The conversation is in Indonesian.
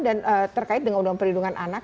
dan terkait dengan undang undang perlindungan anak